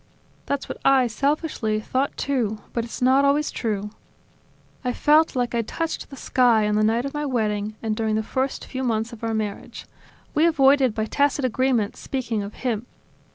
"That's what I, selfishly, thought too; but it's not always true. I felt like I had touched the sky on the night of my wedding and during the first few months of our marriage. We avoided, by tacit agreement, speaking of him.